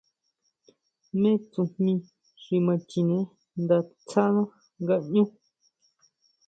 Jmé tsujmí xi ma chine nda tsáná ngaʼñú.